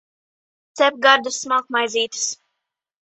Cep gardas smalkmaizītes